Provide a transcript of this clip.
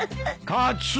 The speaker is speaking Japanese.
カツオ！